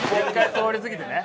通りすぎてね。